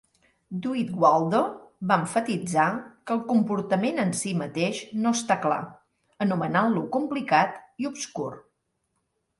Dwight Waldo va emfatitzar que el comportament en si mateix no està clar, anomenant-lo "complicat" i "obscur".